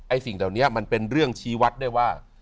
สิ่งเหล่านี้มันเป็นเรื่องชี้วัดได้ว่า